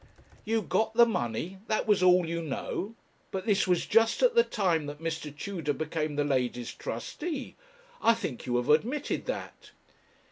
'You got the money; that was all you know. But this was just at the time that Mr. Tudor became the lady's trustee; I think you have admitted that.'